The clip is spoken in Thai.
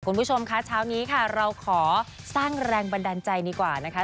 คุณผู้ชมคะเช้านี้ค่ะเราขอสร้างแรงบันดาลใจดีกว่านะคะ